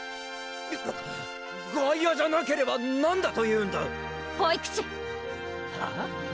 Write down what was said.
うっ外野じゃなければ何だというんだ保育士はぁ？